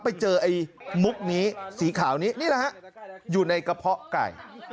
ไปเจอไอ้มุกนี้สีขาวนี้นี่แหละฮะอยู่ในกระเพาะไก่